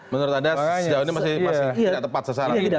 menurut anda sejauh ini masih tidak tepat sasaran